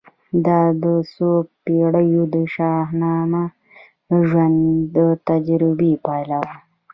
دا د څو پېړیو د شاهانه ژوند د تجربو پایله وه.